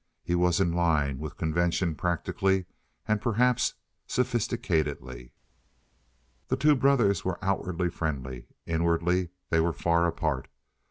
He was in line with convention practically, and perhaps sophisticatedly. The two brothers were outwardly friendly; inwardly they were far apart.